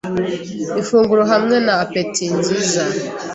ifunguro hamwe na appetit nziza.